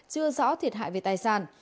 chưa rõ thiệt hại về tài sản